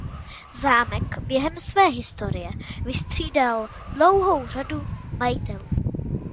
Zámek během své historie vystřídal dlouhou řadu majitelů.